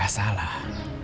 mak gak salah